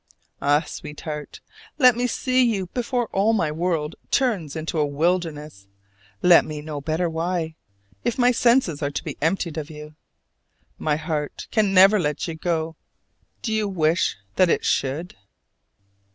Ah, sweetheart, let me see you before all my world turns into a wilderness! Let me know better why, if my senses are to be emptied of you. My heart can never let you go. Do you wish that it should?